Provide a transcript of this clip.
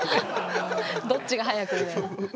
どっちが早くね。